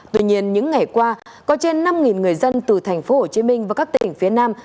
tuy nhiên những ngày qua có trên năm người dân từ tp hcm và các tỉnh phía nam